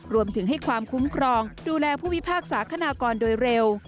รวมถึงให้ความคุ้มครองดูแลผู้พิพากษาคณากรโดยเร็ว